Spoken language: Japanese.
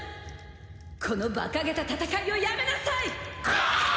このバカげた戦いをやめなさい！